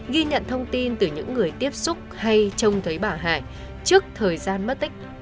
ghi nhận thông tin từ những người tiếp xúc hay trông thấy bà hải trước thời gian mất tích